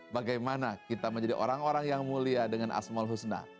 bagaimana kita menjadi orang orang yang mulia dengan asmol husna